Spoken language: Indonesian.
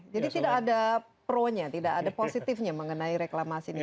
jadi tidak ada pro nya tidak ada positifnya mengenai reklamasi ini